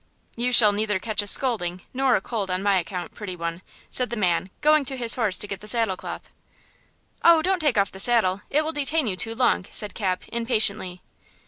"You shall neither catch a scolding nor a cold on my account, pretty one," said the man, going to his horse to get the saddle cloth. "Oh, don't take off the saddle–it will detain you too long." said Cap, impatiently.